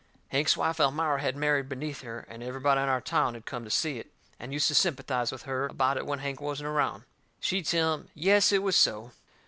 Hank's wife, Elmira, had married beneath her, and everybody in our town had come to see it, and used to sympathize with her about it when Hank wasn't around. She'd tell em, yes, it was so.